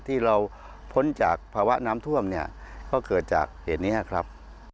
ที่เราพ้นจากภาวะน้ำท่วมเนี่ยก็เกิดจากเหตุนี้ครับ